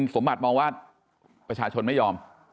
สมบัติมองว่าประชาชนไม่ยอม